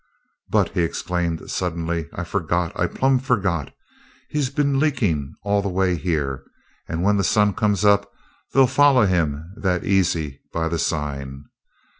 "But," he exclaimed suddenly, "I forgot. I plumb forgot. He's been leakin' all the way here, and when the sun comes up they'll foller him that easy by the sign.